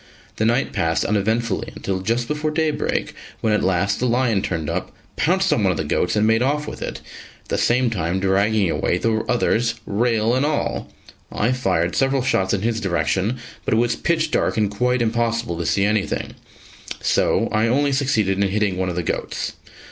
The night passed uneventfully until just before daybreak, when at last the lion turned up, pounced on one of the goats and made off with it, at the same time dragging away the others, rail and all. I fired several shots in his direction, but it was pitch dark and quite impossible to see anything, so I only succeeded in hitting one of the goats.